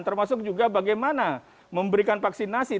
termasuk juga bagaimana memberikan vaksinasi